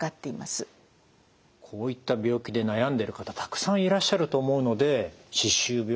こういった病気で悩んでる方たくさんいらっしゃると思うので歯周病